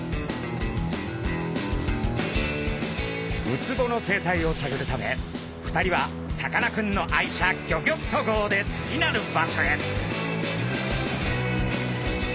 ウツボの生態をさぐるため２人はさかなクンの愛車ギョギョッと号で次なる場所へ。